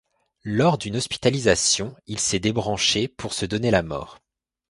Lors d'une hospitalisation, il s'est débranché pour se donner la mort.